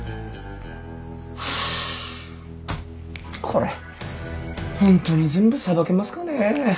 これ本当に全部さばけますかね。